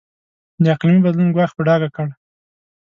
د اقلیمي بدلون ګواښ په ډاګه کړ.